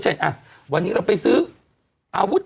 เช่นวันนี้เราไปซื้ออาวุธ